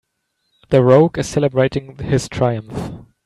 The rogue is celebrating his triumph.